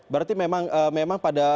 berarti memang pada